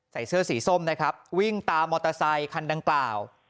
ใส่เสื้อสีส้มนะครับวิ่งตามมอเตอร์ไซคันดังกล่าว